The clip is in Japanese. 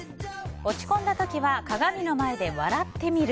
落ち込んだ時は鏡の前で笑ってみる。